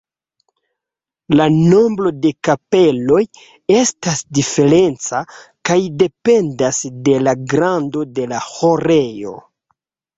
La nombro de kapeloj estas diferenca kaj dependas de la grando de la ĥorejo.